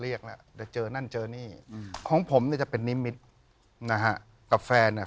เรียกแล้วจะเจอนั่นเจอนี่อืมของผมเนี่ยจะเป็นนิมิตรนะฮะกับแฟนเนี่ย